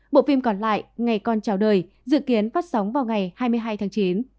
bộ phim còn lại ngày con trào đời dự kiến phát sóng vào ngày hai mươi hai tháng chín